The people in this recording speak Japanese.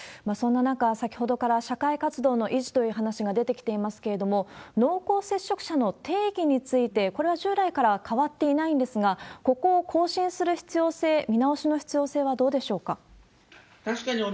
そんな中、先ほどから社会活動の維持という話が出てきていますけれども、濃厚接触者の定義について、これは従来から変わっていないんですが、ここを更新する必要性、見直しの必要性はどうでしょうか？